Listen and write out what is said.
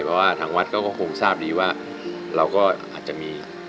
เพราะว่าทางวัดก็คงทราบดีว่าเราก็อาจจะมี